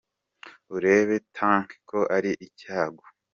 Urebe tanki ko ari icyago